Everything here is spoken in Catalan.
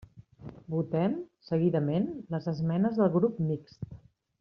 Votem seguidament les esmenes del Grup Mixt.